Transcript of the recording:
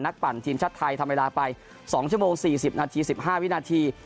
นักปั่นทีมชาติไทยทำเวลาไปสองชั่วโมงสี่สิบนาทีสิบห้าวินาที